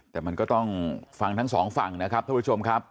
แต่มันก็ต้องฟังทั้งสองฝั่งนะครับท่านผู้ชมครับ